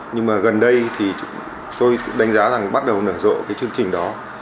nhưng mà gần đây thì tôi đánh giá rằng bắt đầu nở rộ cái chương trình đó